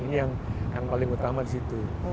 ini yang paling utama di situ